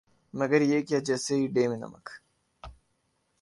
مگر یہ کیا جیس ہی ڈے میں نمک